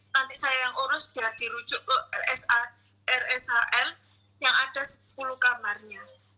nanti saya yang urus sudah dirujuk ke rshl yang ada sepuluh kamarnya